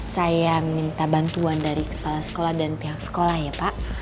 saya minta bantuan dari kepala sekolah dan pihak sekolah ya pak